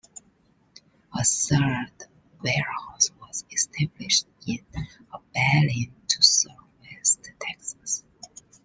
A third warehouse was established in Abilene to serve West Texas.